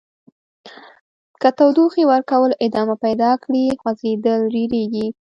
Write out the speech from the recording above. که تودوخې ورکول ادامه پیدا کړي خوځیدل ډیریږي.